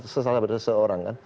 kekesalan pada seseorang kan